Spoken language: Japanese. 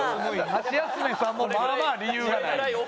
ハシヤスメさんもまあまあ理由がない。